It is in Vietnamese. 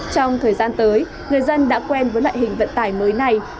trong thời gian tới người dân đã quen với loại hình vận tải mới này